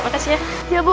emang bener siap niak er